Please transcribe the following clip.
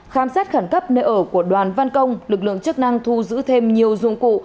khám xét khẩn cấp nơi ở của đoàn văn công lực lượng chức năng thu giữ thêm nhiều dụng cụ